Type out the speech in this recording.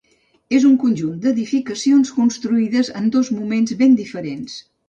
És un conjunt d'edificacions construïdes en dos moments ben diferents.